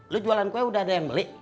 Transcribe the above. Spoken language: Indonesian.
lo jualan kue udah ada yang beli